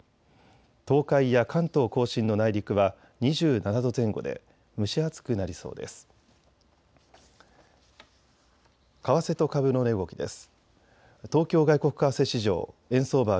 東海や関東甲信の内陸は２７度前後で蒸し暑くなりそうです。